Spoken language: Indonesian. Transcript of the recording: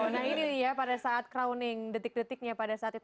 nah ini dia pada saat crowning detik detiknya pada saat itu